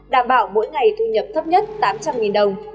đảm bảo mỗi ngày thu nhập thấp nhất tám trăm linh đồng